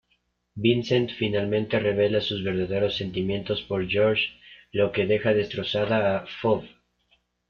Vincent finalmente revela sus verdaderos sentimientos por George lo que deja destrozada a Phoebe.